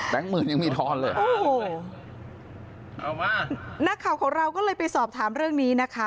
หมื่นยังมีทอนเลยโอ้โหเอามากนักข่าวของเราก็เลยไปสอบถามเรื่องนี้นะคะ